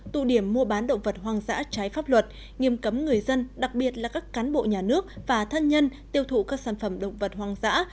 tụ điểm mua bán động vật hoang dã trái pháp luật nghiêm cấm người dân đặc biệt là các cán bộ nhà nước và thân nhân tiêu thụ các sản phẩm động vật hoang dã